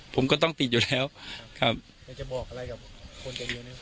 ผมก็ต้องติดอยู่แล้วครับจะบอกอะไรกับคนใกล้อยู่